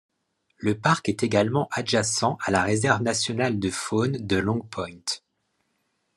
Le parc est également adjacent à la réserve nationale de faune de Long Point.